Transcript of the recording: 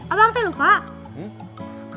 abang ternyata lupa